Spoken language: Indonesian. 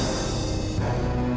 aku mau pulang